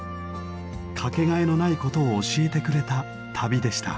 掛けがえのないことを教えてくれた旅でした。